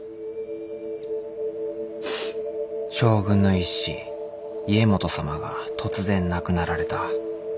将軍の一子家基様が突然亡くなられた。